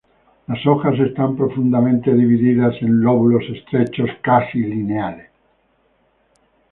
Las hojas están profundamente divididas en lóbulos estrechos casi lineales.